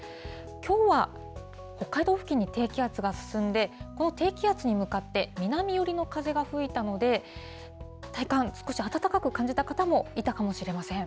きょうは北海道付近に低気圧が進んで、この低気圧に向かって南寄りの風が吹いたので、体感、少し暖かく感じた方もいたかもしれません。